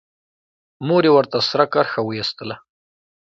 مور يې ورته سره کرښه وايستله.